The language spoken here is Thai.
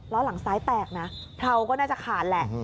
หลังซ้ายแตกนะเพราก็น่าจะขาดแหละ